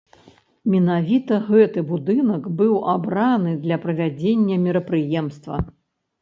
Менавіта гэты будынак быў абраны для правядзення мерапрыемства.